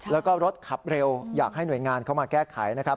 แล้วก็รถขับเร็วอยากให้หน่วยงานเข้ามาแก้ไขนะครับ